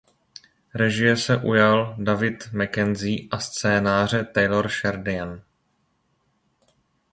Režie se ujal David Mackenzie a scénáře Taylor Sheridan.